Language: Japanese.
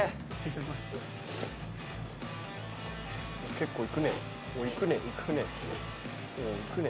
結構いくね。